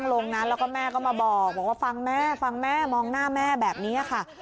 ลงนั้นแล้วก็แม่ก็มาบอกว่าฟังแม่ฟังแม่มองหน้าแม่แบบนี้ค่ะ